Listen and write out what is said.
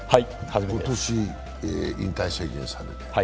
今年引退宣言されて。